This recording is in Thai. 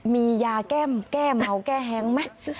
มียาแก้เมาแก้แฮ้งไหม